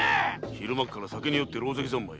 昼間っから酒に酔って狼藉三昧。